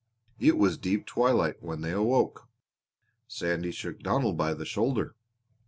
It was deep twilight when they awoke. Sandy shook Donald by the shoulder.